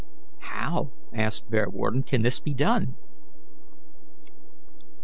"How," asked Bearwarden, "can this be done?"